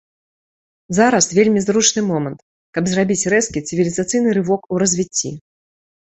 Зараз вельмі зручны момант, каб зрабіць рэзкі цывілізацыйны рывок у развіцці.